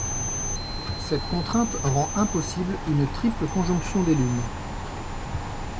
Cette contrainte rend impossible une triple conjonction des lunes.